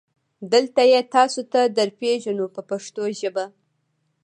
دلته یې تاسو ته درپېژنو په پښتو ژبه.